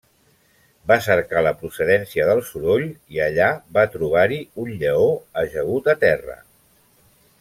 Va cercar la procedència del soroll i allà va trobar-hi un lleó ajagut a terra.